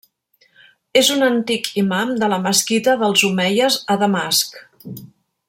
És un antic imam de la Mesquita dels Omeies a Damasc.